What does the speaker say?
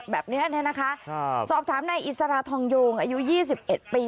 แบบเนี้ยแน่นะคะครับสอบถามในอิสราทองโยงอายุยี่สิบเอ็ดปี